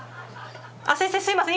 先生すいません！